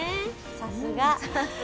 さすが。